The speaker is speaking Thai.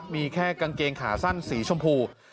มีแค่กางเกงขาสั้นสีชมพู